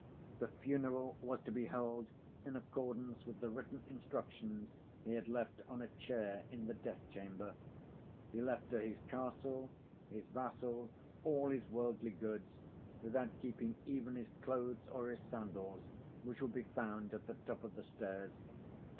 The funeral was to be held in accordance with the written instructions he had left on a chair in the death chamber. He left her his castle, his vassals, all his worldly goods, without keeping even his clothes or his sandals, which would be found at the top of the stairs.